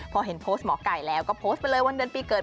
พอเห็นโพสต์หมอไก่แล้วก็โพสต์ไปเลยวันเดือนปีเกิด